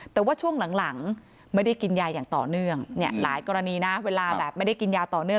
แต่ว่าช่วงหลังไม่ได้กินยาอย่างต่อเนื่องเนี่ยหลายกรณีนะเวลาแบบไม่ได้กินยาต่อเนื่อง